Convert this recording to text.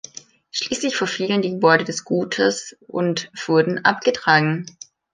Schließlich verfielen die Gebäude des Gutes und wurden abgetragen.